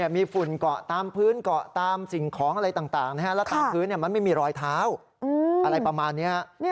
มีฝุ่นเกาะตามพื้นเกาะตามสิ่งของอะไรต่างแล้วตามพื้นมันไม่มีรอยเท้าอะไรประมาณนี้